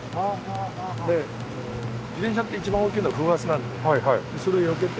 で自転車って一番大きいのが風圧なのでそれをよけて。